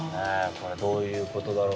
これどういうことだろうな。